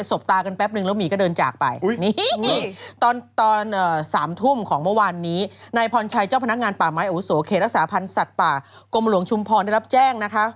บตากันแป๊บนึงแล้วหมีก็เดินจากไปนี่ตอน๓ทุ่มของเมื่อวานนี้นายพรชัยเจ้าพนักงานป่าไม้อาวุโสเขตรักษาพันธ์สัตว์ป่ากรมหลวงชุมพรได้รับแจ้งนะคะ